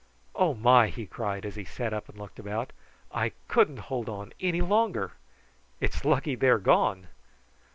"Oh my!" he cried, as he sat up and looked about. "I couldn't hold on any longer. It's lucky they are gone."